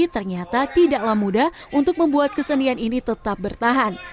ternyata tidaklah mudah untuk membuat kesenian ini tetap bertahan